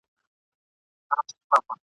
چي هر ځای به کار پیدا سو دی تیار وو !.